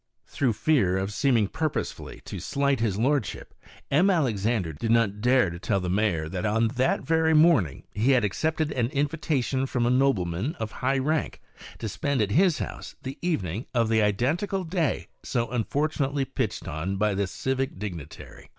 Through fear of seeming purposely to slight his lordship, M. Alexandre did not dare to tell the Mayor that on that very morning he had accepted an invitation from a nobleman of high rank to spend at his house the evening of the identical day so unfortunately pitched on by the civic dignitary.